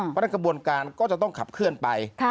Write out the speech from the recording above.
เพราะฉะนั้นกระบวนการก็จะต้องขับเคลื่อนไป